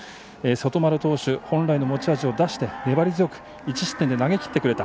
外丸投手本来の持ち味を出して１失点で投げきってくれた。